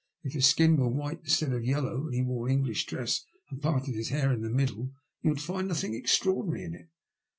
If his skin were white instead of yellow, and he wore English dress and parted his hair in the middle, you would find nothing extraordinary in it.